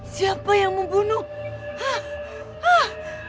siapa yang membunuh